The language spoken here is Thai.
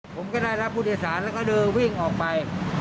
ผมก็ได้รับพุทธศาสตร์แล้วก็เดินวิ่งออกไป